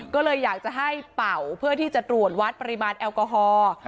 ก็เลยอยากจะให้เป่าเพื่อที่จะตรวจวัดปริมาณแอลกอฮอล์